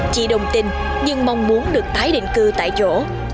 chị đồng tin nhưng mong muốn được tái định cư tại chỗ